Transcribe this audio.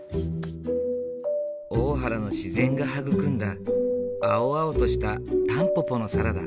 大原の自然が育んだ青々としたタンポポのサラダ。